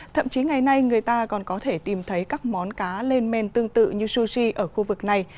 thậm chí ngày nay người ta còn có thể tìm thấy các món cá lên men tương tự như sushi ở khu vực này